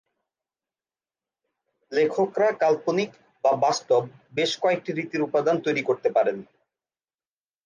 লেখকরা কাল্পনিক বা বাস্তব বেশ কয়েকটি রীতির উপাদান তৈরি করতে পারেন।